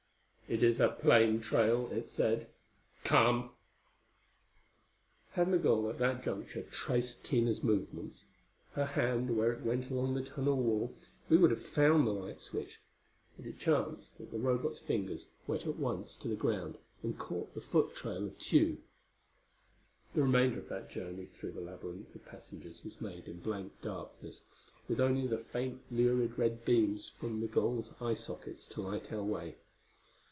"It is a plain trail," it said. "Come." [Footnote 2: Had Migul at that juncture traced Tina's movements her hand where it went along the tunnel wall we would have found the light switch. But it chanced that the Robot's fingers went at once to the ground and caught the foot trail of Tugh.] The remainder of that journey through the labyrinth of passages was made in blank darkness, with only the faint lurid red beams from Migul's eye sockets to light our way.